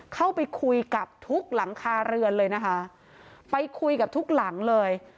เข้าไปคุยกับทุกหลังคาเรือนเลยนะคะไปคุยกับทุกหลังเลย